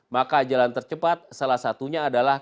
maka jalan tercepat salah satunya adalah